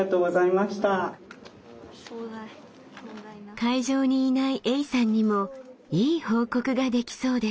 会場にいないエイさんにもいい報告ができそうです。